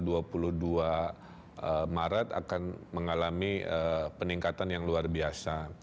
di jawa barat itu tanggal dua puluh dua maret akan mengalami peningkatan yang luar biasa